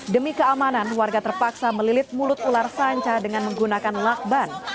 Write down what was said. demi keamanan warga terpaksa melilit mulut ular sanca dengan menggunakan lakban